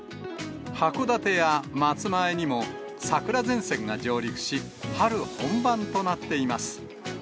函館や松前にも、桜前線が上陸し、春本番となっています。